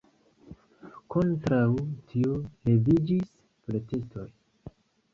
Kontraŭ tio leviĝis protestoj.